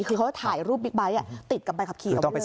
คือเขาถ่ายรูปบิ๊กไบท์ติดกับใบขับขี่เอาไว้เลย